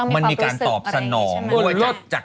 มันมีการตอบสนองด้วย